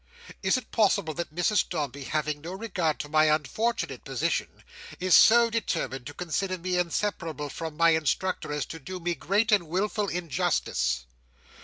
Is it possible that Mrs Dombey, having no regard to my unfortunate position, is so determined to consider me inseparable from my instructor as to do me great and wilful injustice?"